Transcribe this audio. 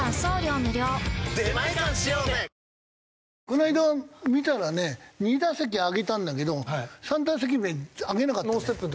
この間見たらね２打席上げたんだけど３打席目上げなかった。